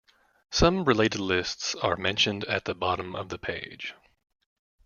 Some related lists are mentioned at the bottom of the page.